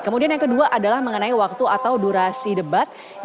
kemudian yang kedua adalah mengenai waktu atau durasi debat